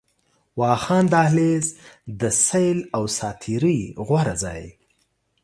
واخان دهلېز، د سيل او ساعتري غوره ځای